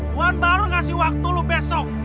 tuhan baru ngasih waktu lu besok